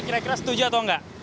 kira kira setuju atau enggak